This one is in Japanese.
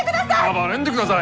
暴れんでください！